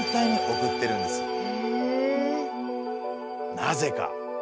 なぜか。